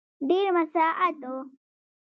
ډېر مساعد وو.